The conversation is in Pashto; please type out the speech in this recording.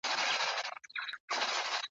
او د لنډو کیسو لیکوال وو `